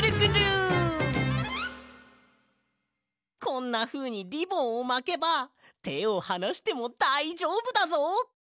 こんなふうにリボンをまけばてをはなしてもだいじょうぶだぞ。